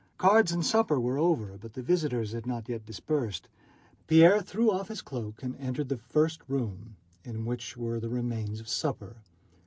Cards and supper were over, but the visitors had not yet dispersed. Pierre threw off his cloak and entered the first room, in which were the remains of supper.